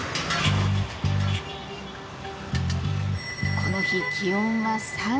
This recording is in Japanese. この日気温は３８℃。